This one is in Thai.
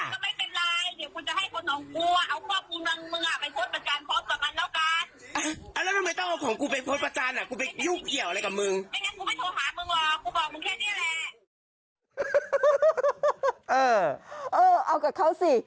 ก็ไม่เป็นไรเดี๋ยวจะให้คนของกู